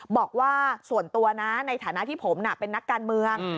บอกว่าส่วนตัวนะในฐานะที่ผมเป็นนักการเมือง